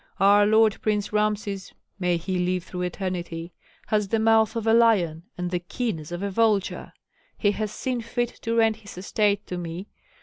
Our lord Prince Rameses may he live through eternity! has the mouth of a lion and the keenness of a vulture. He has seen fit to rent his estate to me.